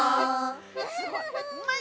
すごい。